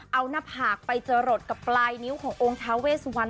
เอาหน้าผากไปจรดกับปลายนิ้วขององค์ท้าเวสวัน